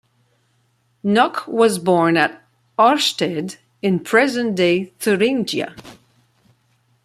Nauck was born at Auerstedt in present-day Thuringia.